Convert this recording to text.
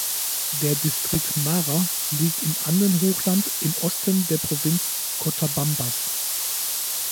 Der Distrikt Mara liegt im Andenhochland im Osten der Provinz Cotabambas.